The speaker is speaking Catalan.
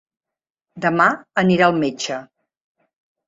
Demà anirà al metge.